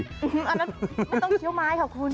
อันนั้นไม่ต้องเคี้ยวไม้ค่ะคุณ